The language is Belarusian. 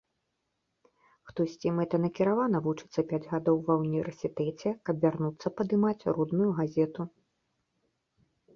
Хтосьці мэтанакіравана вучыцца пяць гадоў ва ўніверсітэце, каб вярнуцца падымаць родную газету.